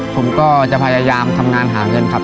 ผมก็จะพยายามทำงานหาเงินครับ